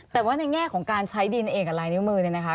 แต่ว่าในแง่ของการใช้ดินเองกับลายนิ้วมือเนี่ยนะคะ